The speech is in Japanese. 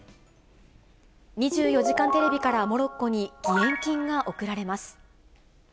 ２４時間テレビからモロッコに義援金が送られます。